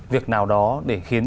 việc nào đó để khiến